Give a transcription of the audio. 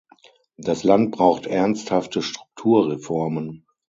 Das Land braucht ernsthafte Strukturreformen.